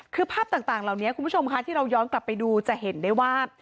คือภาพต่างเหล่านี้คุณผู้ชมค่ะที่เราย้อนกลับไปดูจะเห็นได้ว่า